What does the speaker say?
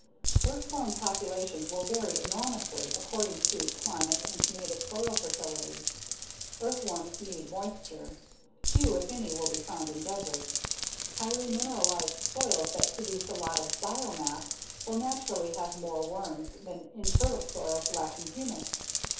Earthworm populations will vary enormously according to climate and native soil fertility. Earthworms need moisture; few if any will be found in deserts. Highly mineralized soils that produce a lot of biomass will naturally have more worms than infertile soils lacking humus.